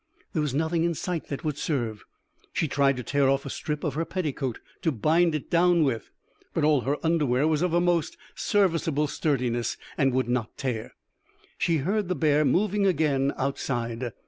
There was nothing in sight that would serve. She tried to tear off a strip of her petticoat to bind it down with, but all her underwear was of a most serviceable sturdiness, and would not tear. She heard the bear moving again outside.